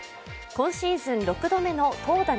今シーズン６度目の投打